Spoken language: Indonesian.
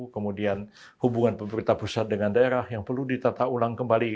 kemudian hubungan pemerintah pusat dengan daerah yang perlu ditata ulang kembali